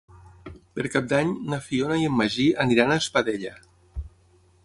Per Cap d'Any na Fiona i en Magí aniran a Espadella.